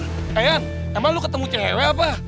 hei yan emang lu ketemu cewek apa